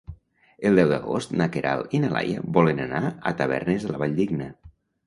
El deu d'agost na Queralt i na Laia volen anar a Tavernes de la Valldigna.